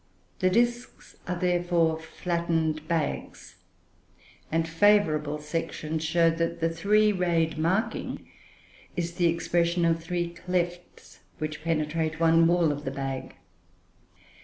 The disks are, therefore, flattened bags; and favourable sections show that the three rayed marking is the expression of three clefts, which penetrate one wall of the bag.